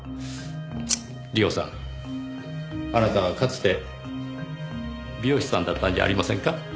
リオさんあなたはかつて美容師さんだったんじゃありませんか？